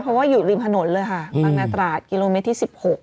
เพราะว่าอยู่ริมถนนเลยค่ะบางนาตราดกิโลเมตรที่๑๖